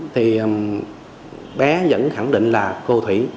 thì bé vẫn khẳng định là cô thủy